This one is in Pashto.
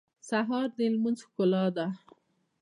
سهار د لمونځ ښکلا ده.